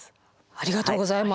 ありがとうございます。